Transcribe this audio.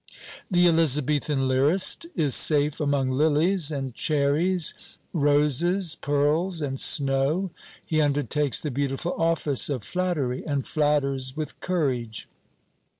The Elizabethan lyrist is safe among lilies and cherries, roses, pearls, and snow. He undertakes the beautiful office of flattery, and flatters with courage.